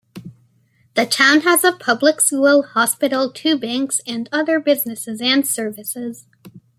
The town has a public school, hospital, two banks, and other businesses and services.